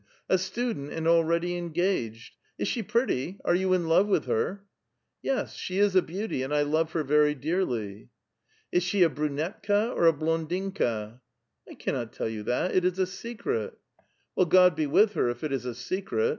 A student, and already engaged ! Is she pretty? Are you in love with her?" " Yes, she is a beautj', and I love her very dearly." " ]s she a brunetka or a blondinkaf " I cannot tell you that ; it is a secret !"" Well, God be with her, if it is a secret